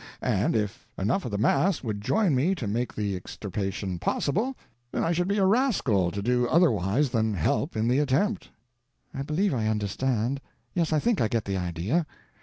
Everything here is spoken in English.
And if enough of the mass would join me to make the extirpation possible, then I should be a rascal to do otherwise than help in the attempt." "I believe I understand—yes, I think I get the idea.